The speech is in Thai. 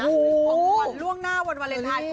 ของขวัญล่วงหน้าวันวาเลนไทย